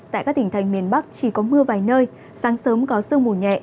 tại các tỉnh thành miền bắc chỉ có mưa vài nơi sáng sớm có sương mù nhẹ